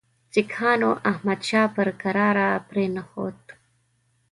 سیکهانو احمدشاه پر کراره پرې نه ښود.